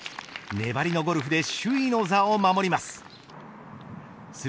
粘りのゴルフで首位の座を守ります。